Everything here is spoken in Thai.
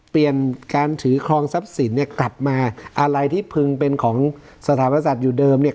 เปลี่ยนการถือครองทรัพย์สินเนี่ยกลับมาอะไรที่พึงเป็นของสถาปศัตว์อยู่เดิมเนี่ย